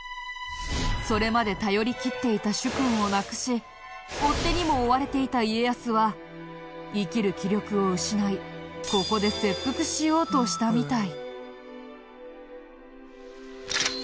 それまで頼りきっていた主君を亡くし追っ手にも追われていた家康は生きる気力を失いここで切腹しようとしたみたい。